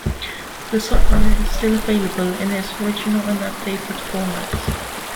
The software is still available in its original and updated formats.